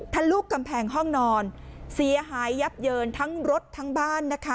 ทะลุกำแพงห้องนอนเสียหายยับเยินทั้งรถทั้งบ้านนะคะ